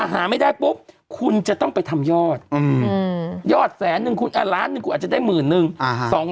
หาไม่ได้ปุ๊บคุณจะต้องไปทำยอดยอดแสนนึงคุณล้านหนึ่งคุณอาจจะได้หมื่นนึง